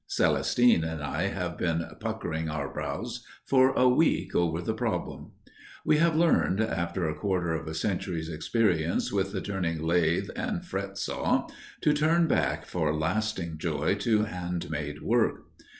Celestine and I have been puckering our brows for a week over the problem! We have learned, after a quarter of a century's experience with the turning lathe and fret saw, to turn back for lasting joy to handmade work.